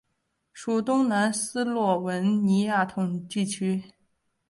属东南斯洛文尼亚统计区。